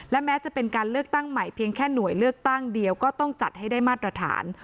และแม้จะเป็นการเลือกตั้งใหม่เพียงแค่หน่วยเลือกตั้งเดียวก็ต้องจัดให้ได้มาตรฐาน